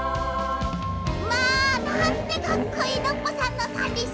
まあなんてかっこいいノッポさんのさんりんしゃ。